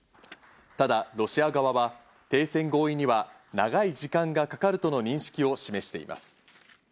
ただロシア側は停戦に停戦合意には長い時間がかかるとの認識を示しています。